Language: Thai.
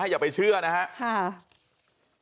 อย่าไปเชื่อนะครับ